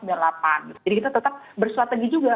jadi kita tetap bersuat tegi juga